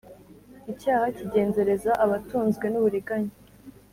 icyaha kigenzereza abatunzwe n’uburiganya.